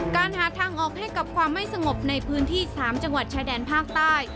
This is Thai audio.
การหาทางออกให้กับความไม่สงบในพื้นที่๓จังหวัดชายแดนภาคใต้